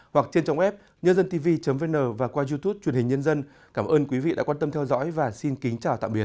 hoặc trên trọng app nhân dân tv vn và qua youtube truyền hình nhân dân cảm ơn quý vị đã quan tâm theo dõi và xin kính chào tạm biệt